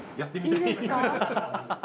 ◆いいですか。